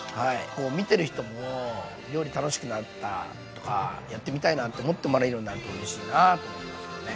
もう見てる人も料理楽しくなったとかやってみたいなって思ってもらえるようになるとうれしいなと思いますけどね。